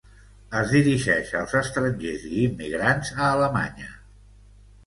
Es dirigeix als estrangers i immigrants a Alemanya.